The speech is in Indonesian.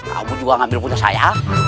kamu juga ngambil punya saya